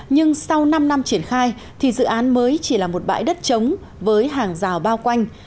nhưng sau năm năm triển khai thì dự án mới chỉ là một bãi đất trống với hàng rào bao quanh